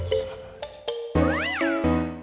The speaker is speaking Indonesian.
gigi permisi dulu ya mas